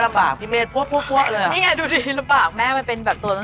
กับแบบทุกตาการมัยบ้านแม่บ้านประจำบานค้า